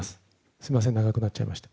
すみません長くなっちゃいました。